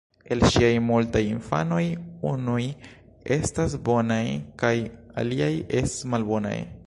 El ŝiaj multaj infanoj unuj estas bonaj kaj aliaj estas malbonaj.